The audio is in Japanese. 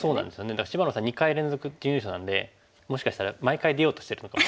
だから芝野さん２回連続準優勝なんでもしかしたら毎回出ようとしてるのかも。